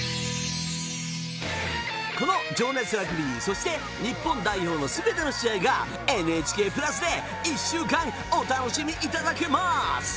この情熱ラグビーそして日本代表のすべての試合がＮＨＫプラスで１週間お楽しみいただけます。